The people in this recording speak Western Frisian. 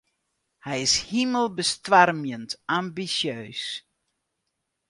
Hy is himelbestoarmjend ambisjeus.